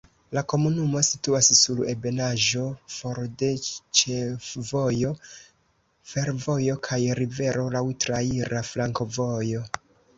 La komunumo situas sur ebenaĵo for de ĉefvojo, fervojo kaj rivero, laŭ traira flankovojo.